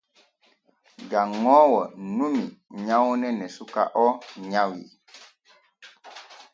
Janŋoowo numi nyawne ne suka o nyawi.